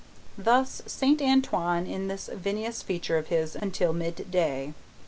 Thus, Saint Antoine in this vinous feature of his, until midday.